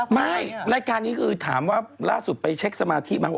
ไม่รายการนี้คือถามว่าล่าสุดไปเช็คสมาธิไหม